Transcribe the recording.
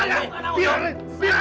kurang aja lepas